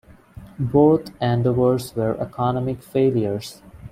Both endeavours were economic failures.